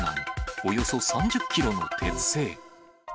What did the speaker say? およそ３０キロの鉄製。